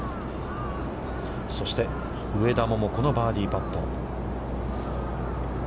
そして、上田桃子のバーディーパット。